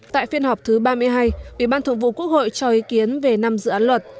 tại phiên họp thứ ba mươi hai ủy ban thường vụ quốc hội cho ý kiến về năm dự án luật